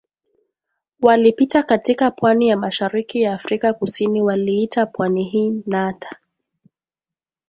Walipita katika pwani ya mashariki ya Afrika Kusini waliiita pwani hii Nata